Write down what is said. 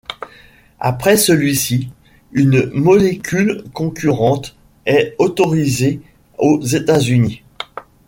Après celui-ci, une molécule concurrente est autorisée aux États-Unis.